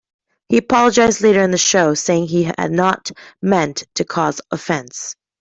He apologised later in the show, saying he had not meant to cause offence.